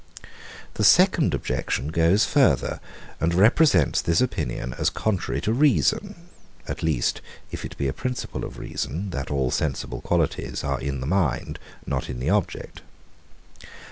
The second objection goes farther, and represents this opinion as contrary to reason: at least, if it be a principle of reason, that all sensible qualities are in the mind, not in the object.